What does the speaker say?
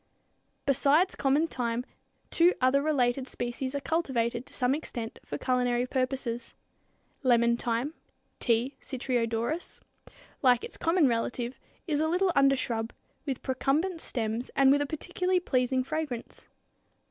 Besides common thyme two other related species are cultivated to some extent for culinary purposes. Lemon thyme (T. citriodorus, Pers.), like its common relative, is a little undershrub, with procumbent stems and with a particularly pleasing fragrance.